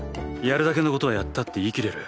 やるだけのことはやったって言いきれる。